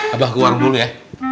abah keluar dulu ya